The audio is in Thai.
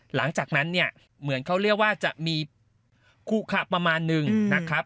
หลังจากนั้นเนี่ยเหมือนเขาเรียกว่าจะมีคู่ขะประมาณนึงนะครับ